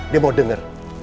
dia mau denger